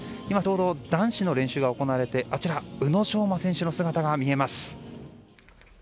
今、ちょうど男子の練習が行われて宇野昌磨選手の姿が見えます。